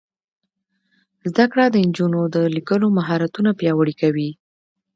زده کړه د نجونو د لیکلو مهارتونه پیاوړي کوي.